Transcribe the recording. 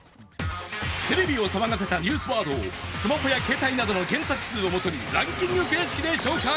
テレビを騒がせたニュースワードをスマホや携帯などの検索数を基にランキング形式で紹介